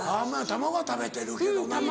卵は食べてるけどな皆。